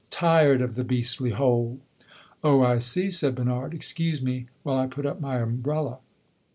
"Tired of the beastly hole!" "Oh, I see," said Bernard. "Excuse me while I put up my umbrella."